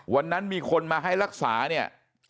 วันนั้นมีคนมาให้รักษาเนี่ย